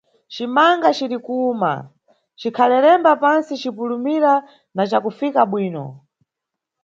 Cimanga cirikuwuma, cikhalelemba pantsi, cipulumira, na cakufika bwino.